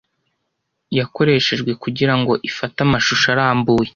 yakoreshejwe kugirango ifate amashusho arambuye